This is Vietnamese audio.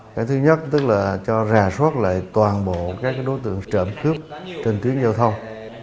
cái thứ nhất tức là cho rà soát lại toàn bộ các đối tượng trộm cướp trên tuyến giao thông